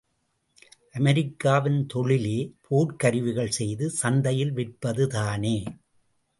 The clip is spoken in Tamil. அமெரிக்காவின் தொழிலே போர்க் கருவிகள் செய்து சந்தையில் விற்பது தானே!